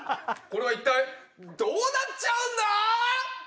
これはいったいどうなっちゃうんだ